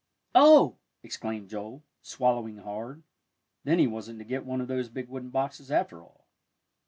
"Oh!" exclaimed Joel, swallowing hard. Then he wasn't to get one of those big wooden boxes, after all.